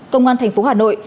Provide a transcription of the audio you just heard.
công an thành phố hà nội